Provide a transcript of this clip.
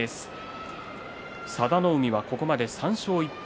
佐田の海、ここまで３勝１敗。